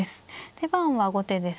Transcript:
手番は後手ですが。